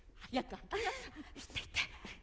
行って行って。